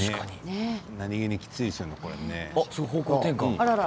何気にきついですよねこれ。